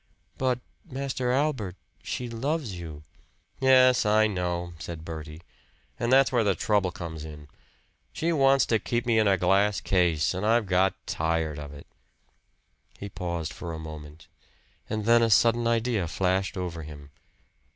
"But, Master Albert, she loves you." "Yes, I know," said Bertie, "and that's where the trouble comes in. She wants to keep me in a glass case, and I've got tired of it." He paused for a moment; and then a sudden idea flashed over him.